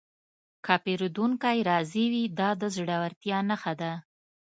که پیرودونکی راضي وي، دا د زړورتیا نښه ده.